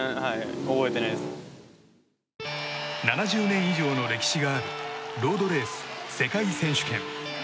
７０年以上の歴史があるロードレース世界選手権。